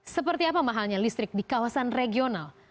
seperti apa mahalnya listrik di kawasan regional